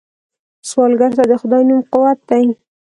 سوالګر ته د خدای نوم قوت دی